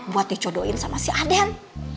buat dicodohin sama si aden